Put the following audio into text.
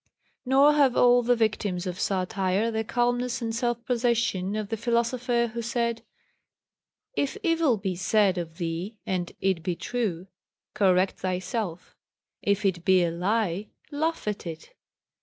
Nor have all the victims of satire the calmness and self possession of the philosopher who said: "If evil be said of thee, and it be true, correct thyself; if it be a lie, laugh at it."